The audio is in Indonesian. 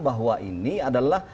bahwa ini adalah